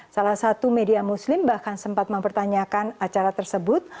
salah satu media muslim bahkan sempat mempertanyakan acara tersebut